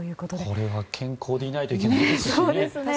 これは健康でいないといけないですね。